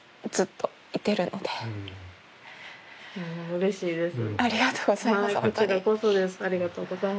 うれしいです。